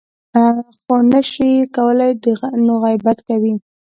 خو نه شي کولی نو غیبت کوي .